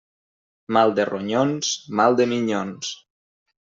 Mal de ronyons, mal de minyons.